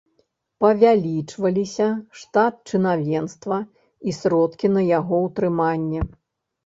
Павялічваліся штат чынавенства і сродкі на яго ўтрыманне.